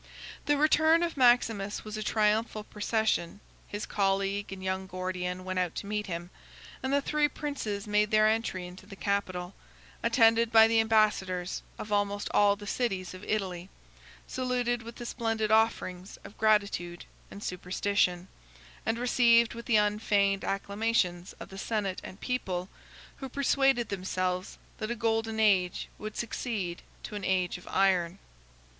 The return of Maximus was a triumphal procession; his colleague and young Gordian went out to meet him, and the three princes made their entry into the capital, attended by the ambassadors of almost all the cities of Italy, saluted with the splendid offerings of gratitude and superstition, and received with the unfeigned acclamations of the senate and people, who persuaded themselves that a golden age would succeed to an age of iron.